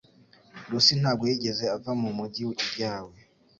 Lucy ntabwo yigeze ava mu mujyi ryawe